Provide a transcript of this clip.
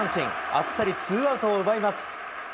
あっさりツーアウトを奪います。